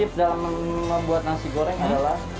tips dalam membuat nasi goreng adalah